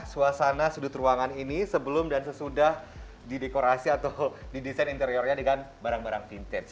suasana sudut ruangan ini sebelum dan sesudah didekorasi atau didesain interiornya dengan barang barang vintage